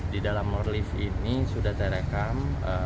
di dalam lift ini sudah direkam